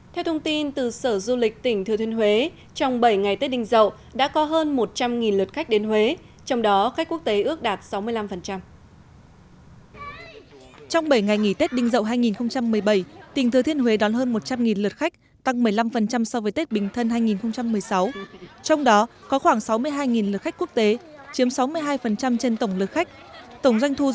theo thông tin từ sở du lịch tỉnh thừa thiên huế trong bảy ngày tết đinh dậu đã có hơn một trăm linh lượt khách đến huế trong đó khách quốc tế ước đạt sáu mươi năm